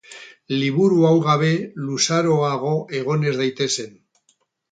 Liburu hau gabe luzaroago egon ez daitezen.